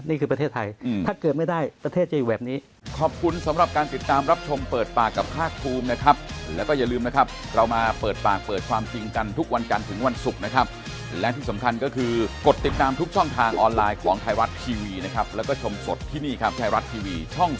นี่คือประเทศไทยถ้าเกิดไม่ได้ประเทศจะอยู่แบบนี้